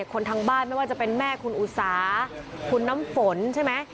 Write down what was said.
คนทางบ้านไม่ว่าจะเป็นแม่คุณอุสาคุณน้ำฝนใช่ไหม